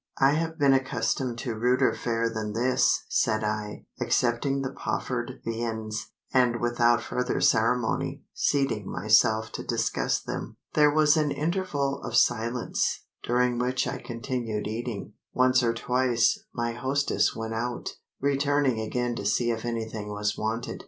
"I have been accustomed to ruder fare than this," said I, accepting the proffered viands, and without further ceremony, seating myself to discuss them. There was an interval of silence, during which I continued eating. Once or twice, my hostess went out, returning again to see if anything was wanted.